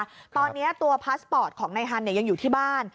ตอนนี้ตัวพาสปอร์ตของนายฮันเนี่ยยังอยู่ที่บ้าน